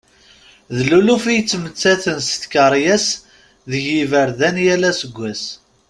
D luluf i yettmettaten s tkeryas deg yiberdan yal aseggas.